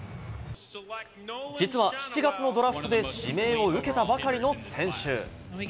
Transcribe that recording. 実は７月のドラフトで指名を受けたばかりの選手。